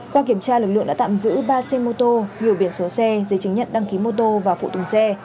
qua kiểm tra lực lượng đã tạm giữ ba xe mô tô nhiều biển số xe giấy chứng nhận đăng ký mô tô và phụ tùng xe